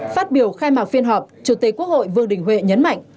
phát biểu khai mạc phiên họp chủ tịch quốc hội vương đình huệ nhấn mạnh